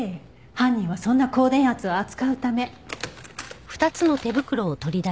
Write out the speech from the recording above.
犯人はそんな高電圧を扱うため。